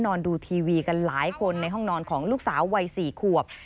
ดูทีวีกันหลายคนในห้องนอนของลูกสาววัย๔ขวบ